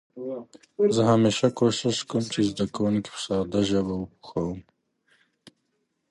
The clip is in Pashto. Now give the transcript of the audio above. زه همېشه کوښښ کوم چې زده کونکي په ساده ژبه وپوهوم.